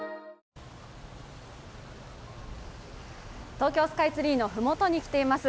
東京スカイツリーの麓に来ています。